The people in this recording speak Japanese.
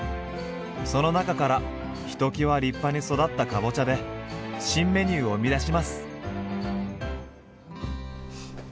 その中からひときわ立派に育ったかぼちゃで新メニューを生み出します。